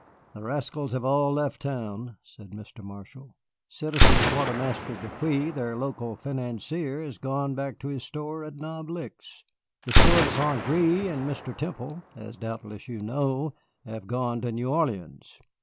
"The rascals have all left town," said Mr. Marshall. "Citizen Quartermaster Depeau, their local financier, has gone back to his store at Knob Licks. The Sieur de St. Gré and a Mr. Temple, as doubtless you know, have gone to New Orleans.